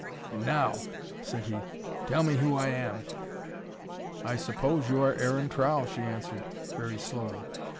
"And, now," said he, "tell me who I am." "I suppose you are Aaron Trow," she answered, very slowly.